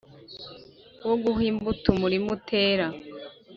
wo guha imbuto umurima utera